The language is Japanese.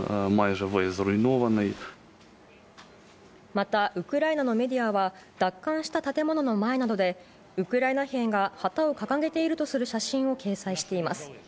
またウクライナのメディアは、奪還した建物の前などで、ウクライナ兵が旗を掲げているとする写真を掲載しています。